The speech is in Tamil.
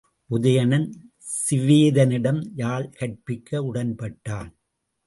உதயணன் சிவேதனிடம் யாழ்கற்பிக்க உடன்பட்டான்.